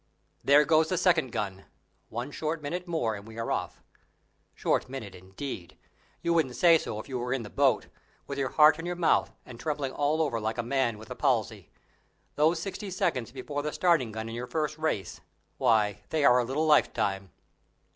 There goes the second gun! one short minute more, and we are off. Short minute, indeed! you wouldn't say so if you were in the boat, with your heart in your mouth and trembling all over like a man with the palsy. Those sixty seconds before the starting gun in your first race why, they are a little lifetime.